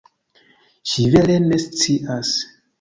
Ŝi vere ne scias.